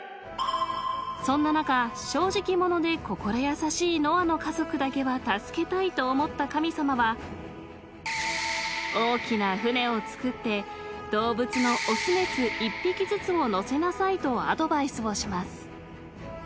［そんな中正直者で心優しいノアの家族だけは助けたいと思った神様は大きな船を造って動物の雄雌１匹ずつを乗せなさいとアドバイスをします］